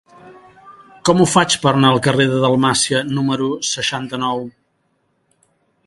Com ho faig per anar al carrer de Dalmàcia número seixanta-nou?